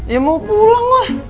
ya mau pulang lah